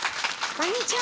こんにちは。